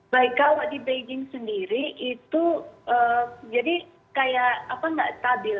baik kalau di beijing sendiri itu jadi kayak apa nggak stabil